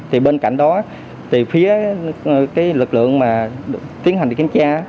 thì bên cạnh đó phía lực lượng tiến hành kiểm tra